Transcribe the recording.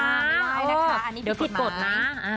ไม่ได้นะคะอันนี้พี่กดมา